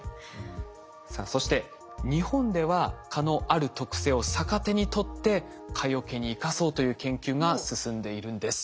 さあそして日本では蚊のある特性を逆手にとって蚊よけに生かそうという研究が進んでいるんです。